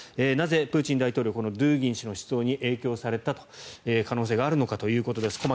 なぜ、プーチン大統領このドゥーギン氏の思想に影響された可能性があるのかということです。